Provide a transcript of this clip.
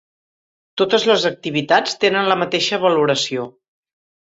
Totes les activitats tenen la mateixa valoració.